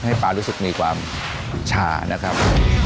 ป๊ารู้สึกมีความชานะครับ